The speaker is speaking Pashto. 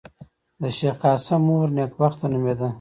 د شېخ قاسم مور نېکبخته نومېده.